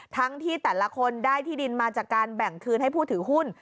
ทั้งที่แต่ละคนได้ที่ดินมาจากการแบ่งคืนให้ผู้ถือหุ้น